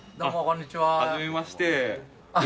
はじめまして。